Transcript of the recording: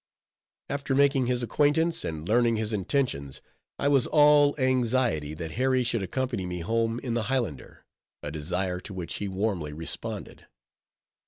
After making his acquaintance, and learning his intentions, I was all anxiety that Harry should accompany me home in the Highlander, a desire to which he warmly responded.